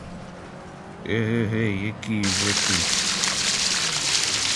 Еге-ге який же ти!